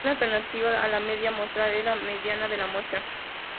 Una alternativa a la media muestral es la mediana de la muestra.